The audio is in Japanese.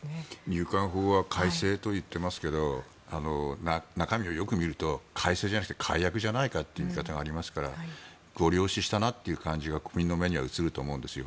入管法は改正といっていますが中身をよく見ると改正じゃなくて改悪じゃないかという見方がありますからごり押ししたなという感じが国民の目には映ると思うんです。